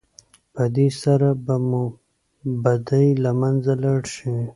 په دې سره به مو بدۍ له منځه لاړې شي.